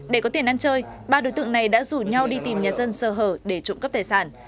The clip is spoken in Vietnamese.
để có tiền ăn chơi ba đối tượng này đã rủ nhau đi tìm nhà dân sơ hở để trộm cắp tài sản